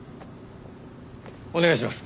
お願いします。